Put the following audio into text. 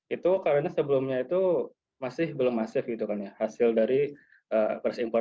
itu karena sebelumnya itu masih belum masif gitu kan ya hasil dari pers impor